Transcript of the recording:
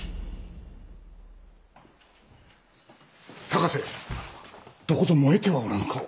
高瀬どこぞ燃えてはおらぬか？